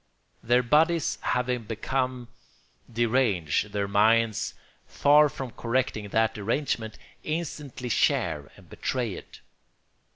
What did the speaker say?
Their bodies having become deranged, their minds, far from correcting that derangement, instantly share and betray it.